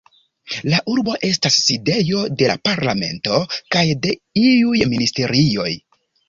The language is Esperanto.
La urbo estas sidejo de la parlamento kaj de iuj ministerioj.